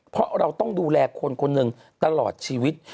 เพราะเราต้องดูแลคนคนหนึ่งตลอดชีวิต